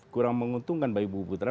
kurang menguntungkan bagi bu putra